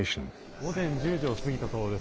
午前１０時を過ぎたところです。